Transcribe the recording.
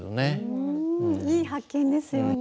うんいい発見ですよね。